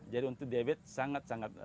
jadi untuk diabetes sangat sangat